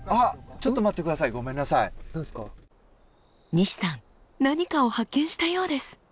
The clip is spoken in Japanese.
西さん何かを発見したようです。